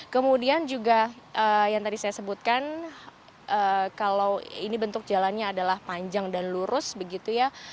kemudian juga yang tadi saya sebutkan kalau ini bentuk jalannya adalah panjang dan lurus begitu ya